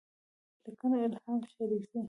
لیکنه الهام شریفي